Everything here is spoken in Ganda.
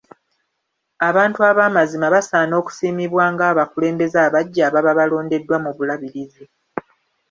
Abantu abamazima basaana okusiimibwa ng'abakulembeze abaggya ababa balondeddwa mu bulabirizi.